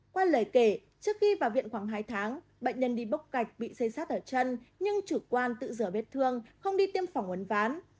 qua lời kể trước khi vào viện khoảng hai tháng bệnh nhân đi bóc gạch bị xây sát ở chân nhưng chủ quan tự rửa vết thương không đi tiêm phòng uấn ván